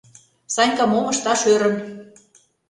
Санька мом ышташ ӧрын.